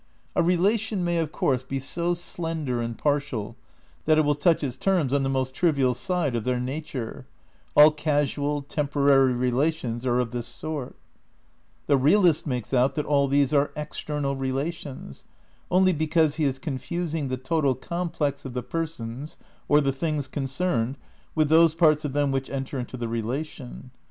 VI RECONSTRUCTION OF IDEALISM 239 A relation may of course be so slender and partial that it will touch its terms on the most trivial side of their nature : all casual, temporary relations are of this sort. The realist makes out that all these are external relations, only because he is confusing the total com plex of the persons or the things concerned with those parts of them which enter into the relation.